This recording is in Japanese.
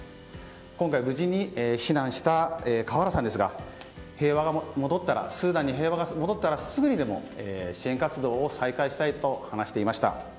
今回、無事に避難した川原さんですがスーダンに平和が戻ったらすぐにでも支援活動を再開したいと話していました。